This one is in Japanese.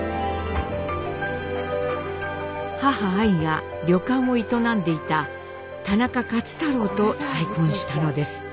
母アイが旅館を営んでいた田中勝太郎と再婚したのです。